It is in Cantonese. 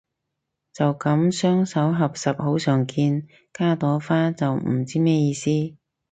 就噉雙手合十好常見，加朵花就唔知咩意思